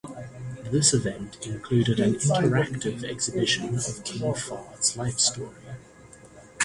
This event included an interactive exhibition of King Fahd's life story.